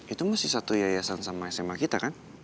itu mesti satu yayasan sama sma kita kan